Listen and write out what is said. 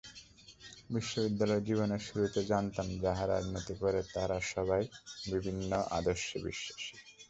বিশ্ববিদ্যালয় জীবনের শুরুতে জানতাম যাহা রাজনীতি করে তারা সবাই বিভিন্ন আদর্শে বিশ্বাসী।